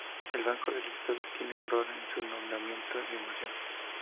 El Banco del Estado tiene un rol en su nombramiento y remoción.